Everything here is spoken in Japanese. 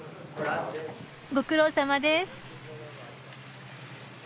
ご苦労さまです。